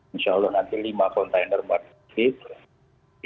insya allah nanti lima container murni